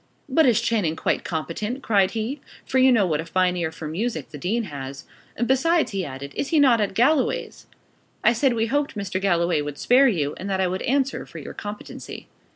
'But is Channing quite competent?' cried he for you know what a fine ear for music the dean has: 'besides,' he added, 'is he not at Galloway's?' I said we hoped Mr. Galloway would spare you, and that I would answer for your competency.